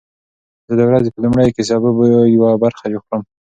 زه د ورځې په لومړیو کې د سبو یوه برخه خورم.